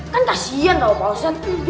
kan kasian ustad